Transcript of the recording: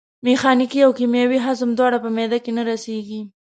میخانیکي او کیمیاوي هضم دواړه په معدې کې نه رسېږي.